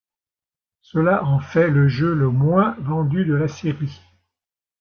Cela en fait le jeu le moins vendu de la série.